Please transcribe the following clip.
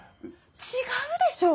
違うでしょ！